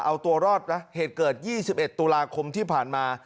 เอาตัวรอดนะเหตุเกิดยี่สิบเอ็ดตุลาคมที่ผ่านมา